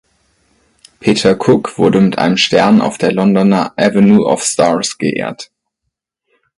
Peter Cook wurde mit einem Stern auf der Londoner Avenue of Stars geehrt.